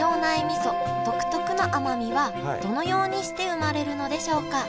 みそ独特の甘みはどのようにして生まれるのでしょうか？